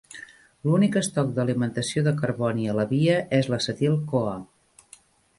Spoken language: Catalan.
L'únic estoc d'alimentació de carboni a la via és l'acetil-CoA.